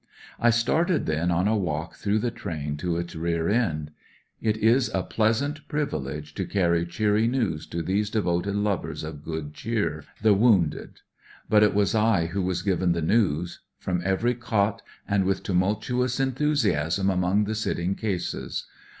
I started then on a walk through the train to its rear end. It is a pleasant privilege to carry cheery news to these devoted lovers of good cheer— the ON THE WAY TO LONDON 288 (( (t wounded. But it was I who was given the news; from every cot and with tumultuous enthusiasm among the sitting cases.